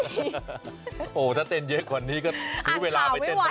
โหถ้าเต้นเยอะกว่านี้ก็ซื้อเวลาไปเต้นสบายจาน